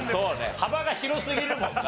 幅が広すぎるもんな。